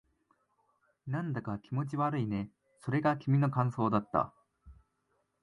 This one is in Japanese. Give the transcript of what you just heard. なんだか気持ち悪いね。それが君の感想だった。